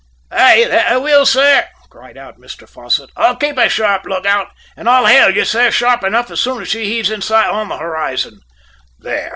"Aye, that I will, sir," cried out Mr Fosset. "I'll keep a sharp look out, and I'll hail you, sir, sharp enough, as soon as she heaves in sight on the horizon." "There!"